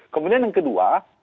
kemudian yang kedua